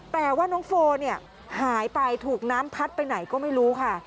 แต่ว่าน้องโฟเนี่ยหายไปถูกน้ำพัดไปไหนก็ไม่รู้ค่ะ